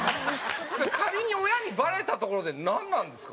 それ仮に親にバレたところでなんなんですか？